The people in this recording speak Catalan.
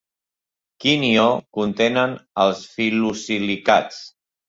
Quin ió contenen els fil·losilicats?